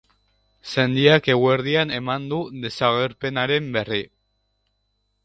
Sendiak eguerdian eman du desagerpenaren berri.